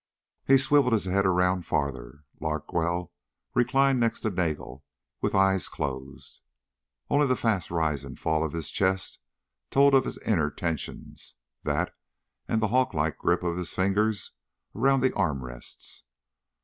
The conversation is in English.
He swiveled his head around farther. Larkwell reclined next to Nagel with eyes closed. Only the fast rise and fall of his chest told of his inner tensions that and the hawk like grip of his fingers around the arm rests.